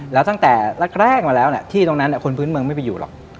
แล้วตั้งแต่แรกมาแล้วที่ตรงนั้นคนพื้นเมืองไม่ไปอยู่หรอก